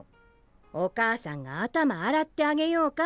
お母さんが頭洗ってあげようか？